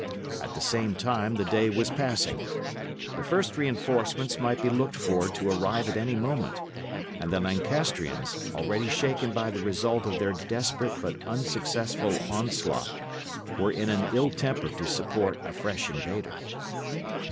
At the same time, the day was passing. The first reinforcements might be looked for to arrive at any moment; and the Lancastrians, already shaken by the result of their desperate but unsuccessful onslaught, were in an ill temper to support a fresh invader.